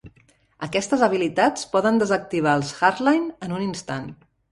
Aquestes habilitats es poden desactivar als Hardline en un instant.